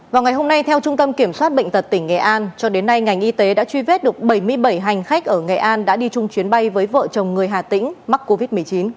vào ngày hôm nay theo trung tâm kiểm soát bệnh tật tỉnh nghệ an cho đến nay ngành y tế đã truy vết được bảy mươi bảy hành khách ở nghệ an đã đi chung chuyến bay với vợ chồng người hà tĩnh mắc covid một mươi chín